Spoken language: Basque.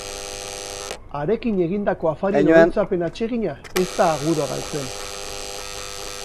Harekin egindako afarien oroitzapen atsegina ez da agudo galtzen.